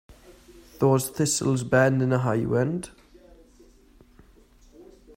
Those thistles bend in a high wind.